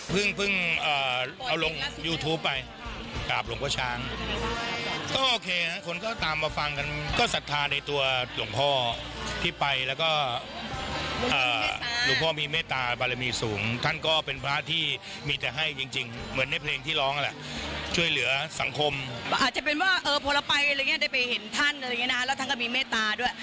ไปอะไรอย่างนี้ได้ไปเห็นท่านอะไรอย่างนี้นะคะแล้วท่านก็มีเมตตาด้วย